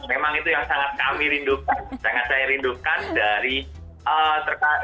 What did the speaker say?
memang itu yang sangat kami rindukan sangat saya rindukan dari terkait